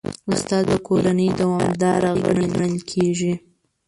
استاد د کورنۍ دوامدار غړی ګڼل کېږي.